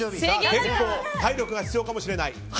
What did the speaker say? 体力が必要かもしれない。